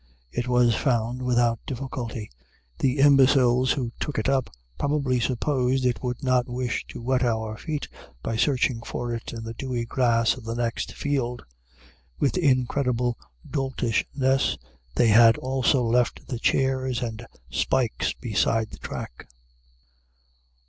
It was found without difficulty. The imbeciles who took it up probably supposed we would not wish to wet our feet by searching for it in the dewy grass of the next field. With incredible doltishness they had also left the chairs and spikes beside the track.